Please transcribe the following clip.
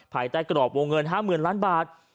ภายใต้กรอบวงเงิน๕๐๐๐ล้านบาท